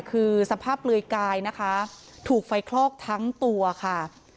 คือสภาพเปลือยกายนะคะถูกไฟคลอกทั้งตัวค่ะ